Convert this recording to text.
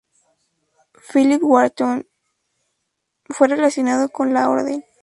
Philip Wharton fue relacionado con la orden.